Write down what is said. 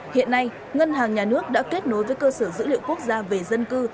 hiện nay ngân hàng nhà nước đã kết nối với cơ sở dữ liệu quốc gia về dân cư